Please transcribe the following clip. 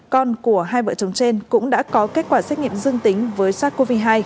con của hai vợ chồng trên cũng đã có kết quả xét nghiệm dương tính với sars cov hai